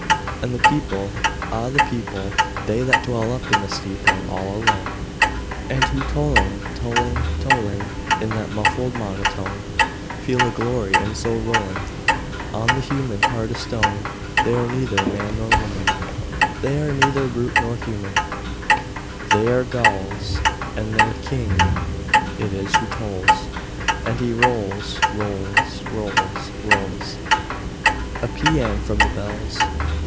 And the people—ah, the people— They that dwell up in the steeple, All alone, And who, tolling, tolling, tolling, In that muffled monotone, Feel a glory in so rolling On the human heart a stone— They are neither man nor woman— They are neither brute nor human— They are Ghouls:— And their king it is who tolls:— And he rolls, rolls, rolls, rolls, Rolls A pæan from the bells!